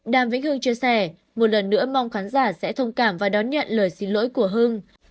đàm vĩnh hưng chia sẻ một lần nữa mong khán giả sẽ thông cảm và đón nhận lời xin lỗi của hưng